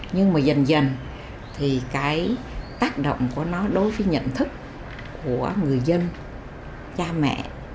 nhưng mà dần dần thì cái tác động của nó đối với nhận thức của người dân cha mẹ